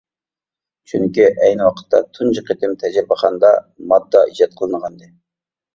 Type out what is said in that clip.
چۈنكى ئەينى ۋاقىتتا تۇنجى قېتىم تەجرىبىخانىدا ماددا ئىجاد قىلىنغانىدى.